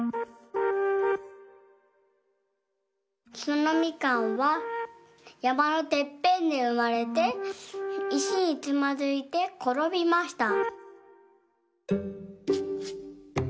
そのみかんはやまのてっぺんでうまれていしにつまずいてころびました。